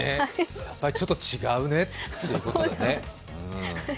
やっぱりちょっと違うねということで。